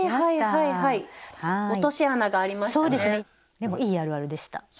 でもいいあるあるでした。